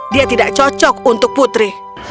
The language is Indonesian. dia tidak cocok untuk putri